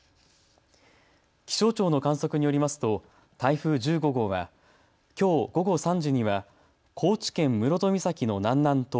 気象庁の観測によりますと台風１５号はきょう午後３時には高知県室戸岬の南南東